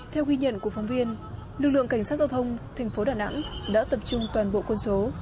theo ghi nhận của phóng viên lực lượng cảnh sát giao thông tp hcm đã tập trung toàn bộ quân số